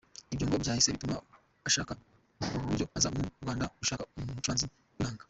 Ibyo ngo byahise bituma ashaka uburyo aza mu Rwanda gushaka umucuranzi w’inanga.